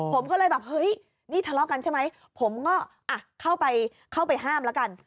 ผมก็เลยแบบเฮ้ยนี่ทะเลาะกันใช่ไหมผมก็เข้าไปเข้าไปห้ามแล้วกัน